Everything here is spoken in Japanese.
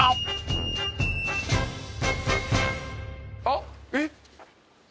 あっえっ？